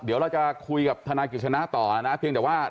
เดี๋ยวเราจะคุยกับทนายกิจชนะต่อนะเพียงแต่ว่า